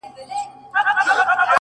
نو ځکه هغه ته پرده وايو؛